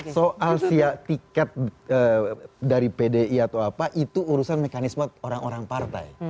soal sia tiket dari pdi atau apa itu urusan mekanisme orang orang partai